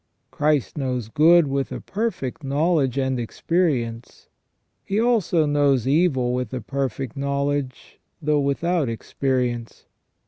Christ knows good with a perfect knowledge and experience. He also knows evil with a perfect knowledge, though without experience.